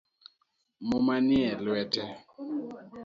Muma nie lwete